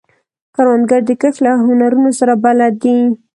کروندګر د کښت له هنرونو سره بلد دی